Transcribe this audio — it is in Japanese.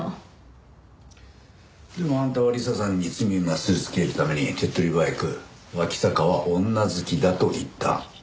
でもあんたは理彩さんに罪をなすりつけるために手っ取り早く脇坂は女好きだと言った。